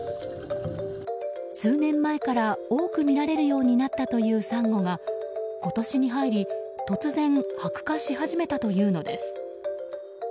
数年前から多く見られるようになったというサンゴが今年に入り、突然白化し始めたというのです。